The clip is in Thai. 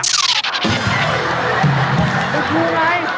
ใบผู้ไง